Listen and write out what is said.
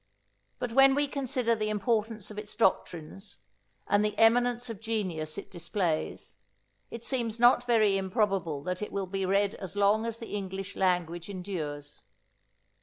But when we consider the importance of its doctrines, and the eminence of genius it displays, it seems not very improbable that it will be read as long as the English language endures.